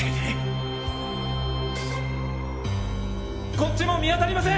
こっちも見当たりません！